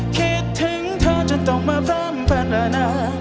คิดถึงเธอจนต้องมาพร่ำพัฒนา